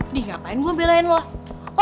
nih ngapain gua belain lu